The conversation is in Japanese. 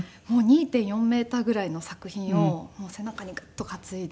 ２．４メーターぐらいの作品を背中にガッと担いで。